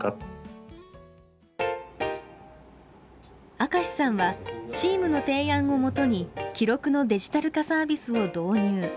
明石さんはチームの提案をもとに記録のデジタル化サービスを導入。